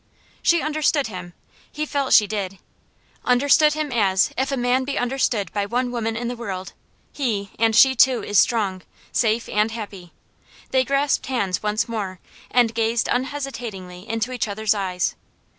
She understood him he felt she did; understood him as, if a man be understood by one woman in the world, he and she too is strong, safe, and happy. They grasped hands once more, and gazed unhesitatingly into each other's eyes.